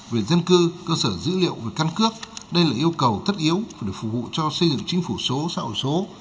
về dân cư cơ sở dữ liệu về căn cước đây là yêu cầu thất yếu và được phục vụ cho xây dựng chính phủ số sau số